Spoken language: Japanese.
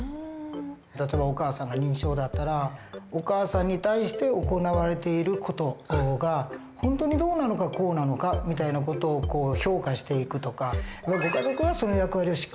例えばお母さんが認知症だったらお母さんに対して行われている事が本当にどうなのかこうなのかみたいな事を評価していくとかご家族がその役割をしっかり果たしていくって